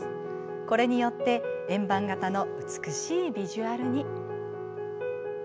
これによって円盤形の美しいビジュアルに。